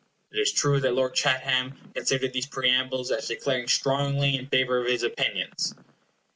It is true that Lord Chatham considered these preambles as declaring strongly in favor of his opinions.